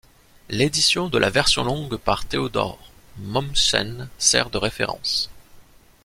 L'édition de la version longue par Theodor Mommsen sert de référence.